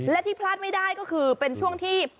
และที่พลาดไม่ได้ก็คือเป็นช่วงที่